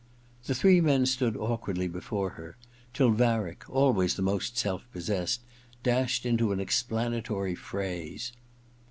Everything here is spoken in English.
The three men stood awkwardly before her, till Varick, always the most self possessed, dashed into an explanatory phrase.